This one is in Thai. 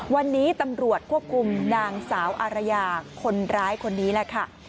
วันนี้ตำรวจควบคุมนางสาวอารยาคนร้ายคนนี้แหละค่ะ